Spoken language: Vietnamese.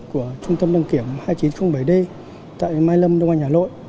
của trung tâm đăng kiểm hai nghìn chín trăm linh bảy d tại mai lâm đông anh hà nội